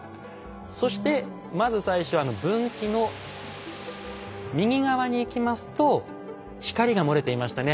そしてまず最初分岐の右側に行きますと光が漏れていましたね。